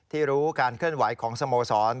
รู้การเคลื่อนไหวของสโมสร